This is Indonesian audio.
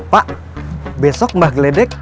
pak besok mbah gledek